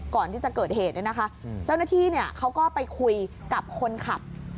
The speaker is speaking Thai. ก่อนที่จะเกิดเหตุเนี่ยนะคะเจ้าหน้าที่เขาก็ไปคุยกับคนขับ